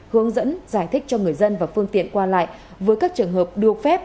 hướng dẫn giải thích cho người dân và phương tiện qua lại với các trường hợp được phép